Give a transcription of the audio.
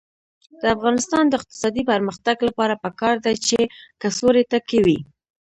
د افغانستان د اقتصادي پرمختګ لپاره پکار ده چې کڅوړې تکې وي.